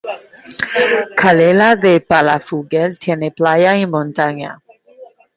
Calella de Palafrugell tiene playa y montaña.